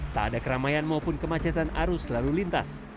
tak ada keramaian maupun kemacetan arus lalu lintas